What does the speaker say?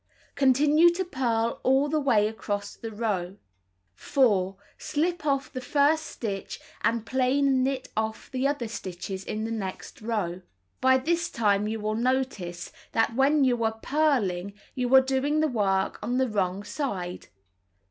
Continue to purl all the way across the row. 4. Slip off the first stitch and plain knit off the other stitches in the next row. By this time you will notice that when you are purling you are doing the work on the wrong side.